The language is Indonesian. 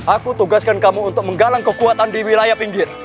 aku tugaskan kamu untuk menggalang kekuatan di wilayah pinggir